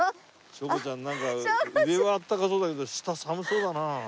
翔子ちゃんなんか上はあったかそうだけど下寒そうだな。